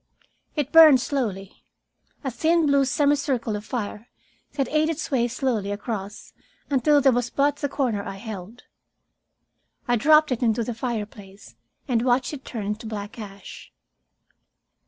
It burned slowly, a thin blue semicircle of fire that ate its way slowly across until there was but the corner I held. I dropped it into the fireplace and watched it turn to black ash.